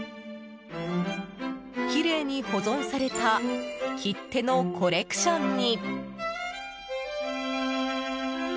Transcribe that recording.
きれいに保存された切手のコレクションに。